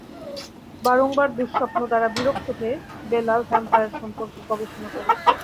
বারংবার দুঃস্বপ্ন দ্বারা বিরক্ত হয়ে, বেলা ভ্যাম্পায়ার সম্পর্কে গবেষণা করে।